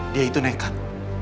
dia itu nekat